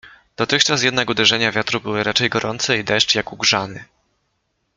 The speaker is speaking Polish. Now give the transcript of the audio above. Dotychczas jednak uderzenia wiatru były raczej gorące i deszcz jak ugrzany.